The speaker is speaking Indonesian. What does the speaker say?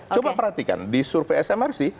coba perhatikan di survei smrc